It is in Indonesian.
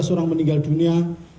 tiga belas orang meninggal dunia